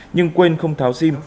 nhưng quên không tháo sim